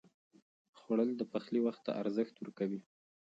خوړل د پخلي وخت ته ارزښت ورکوي